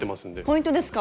ポイントですか。